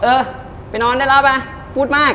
เออไปนอนได้แล้วไปพูดมาก